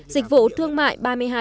dịch vụ thương mại ba mươi hai tám